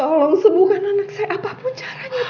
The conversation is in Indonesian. tolong sembuhkan anak saya apapun caranya